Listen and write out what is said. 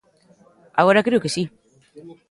Agora creo que si.